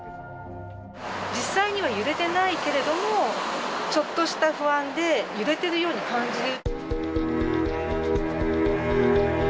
実際には揺れてないけれども、ちょっとした不安で揺れているように感じる。